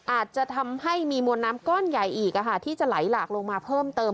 อาจจะทำให้มีมวลน้ำก้อนใหญ่อีกที่จะไหลหลากลงมาเพิ่มเติม